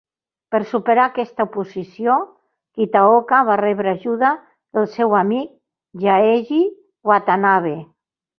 Per superar aquesta oposició, Kitaoka va rebre ajuda del seu amic Yaeji Watanabe.